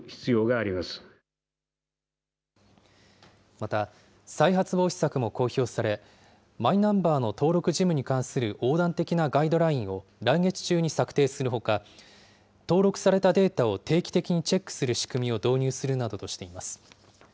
また、再発防止策も公表され、マイナンバーの登録事務に関する横断的なガイドラインを来月中に策定するほか、登録されたデータを定期的にチェックする仕組みを導入するなどとしています。